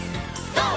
ＧＯ！